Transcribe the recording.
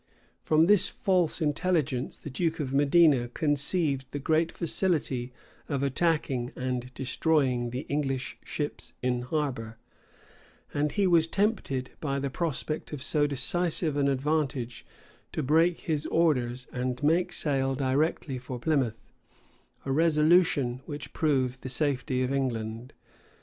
From this false intelligence the duke of Medina conceived the great facility of attacking and destroying the English ships in harbor; and he was tempted, by the prospect of so decisive an advantage, to break his orders, and make sail directly for Plymouth; a resolution which proved the safety of England.